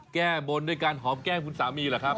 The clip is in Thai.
แก้บนด้วยการหอมแก้มคุณสามีเหรอครับ